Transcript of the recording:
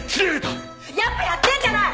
やっぱやってんじゃない！